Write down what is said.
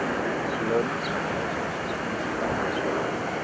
L'ona apareix a l'escut municipal.